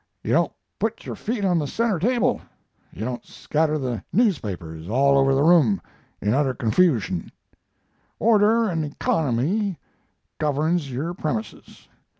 Yu don't put yure feet on the center table, yu don't skatter the nuzepapers all over the room, in utter confushion: order and ekonemy governs yure premises.